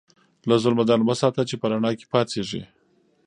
له ظلمه ځان وساته چې په رڼا کې پاڅېږې.